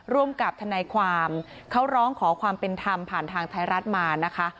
ร่วมกับทนายความเขาร้องขอความเป็นธรรมผ่านทางไทยรัฐมานะคะ